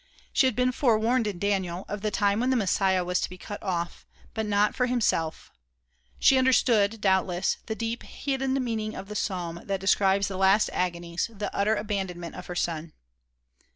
She had been forewarned in Daniel of the time when the Messiah was to be cut off, but not for himself; she understood, doubtless, the deep, hidden meaning of the Psalm that describes the last agonies, the utter abandonment of her son.